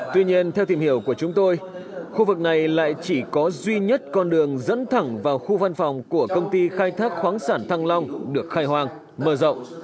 tuy nhiên theo tìm hiểu của chúng tôi khu vực này lại chỉ có duy nhất con đường dẫn thẳng vào khu văn phòng của công ty khai thác khoáng sản thăng long được khai hoang mở rộng